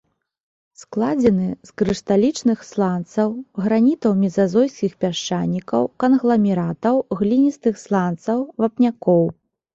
Складзены з крышталічных сланцаў, гранітаў мезазойскіх пясчанікаў, кангламератаў, гліністых сланцаў, вапнякоў.